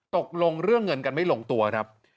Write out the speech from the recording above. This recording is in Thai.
ตกลงเรื่องเงินกันไม่ลงตัวครับ